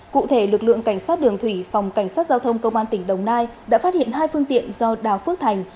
cụ thể lực lượng cảnh sát đường thủy phòng cảnh sát giao thông công an tỉnh đồng nai đã phát hiện hai phương tiện do đào phước thành